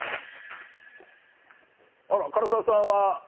あら唐沢さんは。